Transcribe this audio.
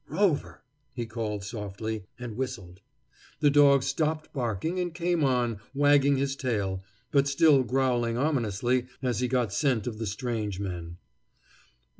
"Rover," he called softly, and whistled. The dog stopped barking and came on, wagging his tail, but still growling ominously as he got scent of the strange men.